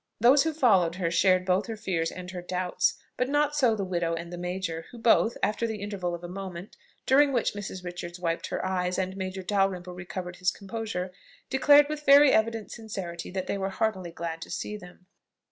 Those who followed her shared both her fears and her doubts; but not so the widow and the major; who both, after the interval of a moment, during which Mrs. Richards wiped her eyes, and Major Dalrymple recovered his composure, declared with very evident sincerity that they were heartily glad to see them.